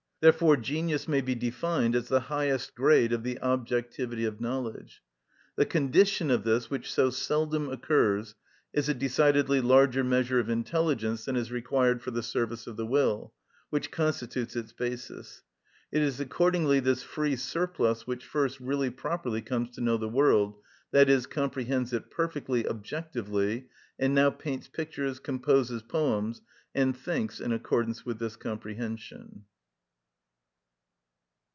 Therefore genius may be defined as the highest grade of the objectivity of knowledge. The condition of this, which so seldom occurs, is a decidedly larger measure of intelligence than is required for the service of the will, which constitutes its basis; it is accordingly this free surplus which first really properly comes to know the world, i.e., comprehends it perfectly objectively, and now paints pictures, composes poems, and thinks in accordance with this comprehension.